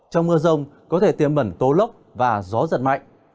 trong mưa rông có thể tiêm bẩn tố lốc và gió giật mạnh